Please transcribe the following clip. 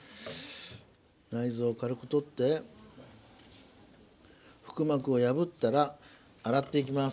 内臓を軽く取って腹膜を破ったら洗っていきます。